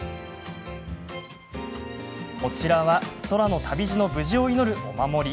こちらは空の旅路の無事を祈るお守り。